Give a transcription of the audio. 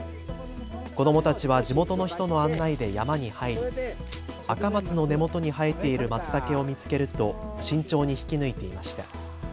子どもたちは地元の人の案内で山に入りアカマツの根元に生えているまつたけを見つけると慎重に引き抜いていました。